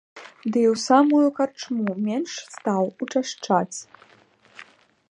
Ды і ў самую карчму менш стаў учашчаць.